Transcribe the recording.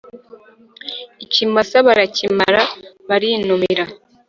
ikimasa barakimara barinumira